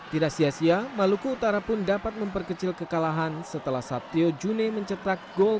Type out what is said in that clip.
tidak sia sia maluku utara pun dapat memperkecil kekalahan setelah saptio june mencetak gol